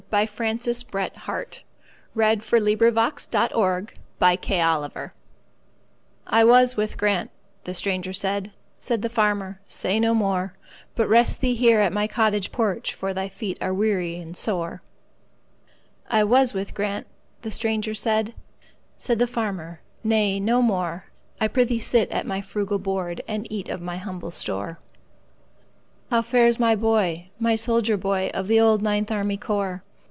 By Francis BretHarte 748 The Aged Stranger "I WAS with Grant"—the stranger said; Said the farmer, "Say no more, But rest thee here at my cottage porch, For thy feet are weary and sore.""I was with Grant"—the stranger said; Said the farmer, "Nay, no more,—I prithee sit at my frugal board, And eat of my humble store."How fares my boy,—my soldier boy, Of the old Ninth Army Corps?